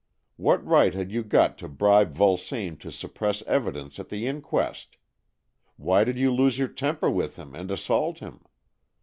What right had you got to bribe Vulsame to suppress evidence at the inquest? Why did you lose your temper with him and assault him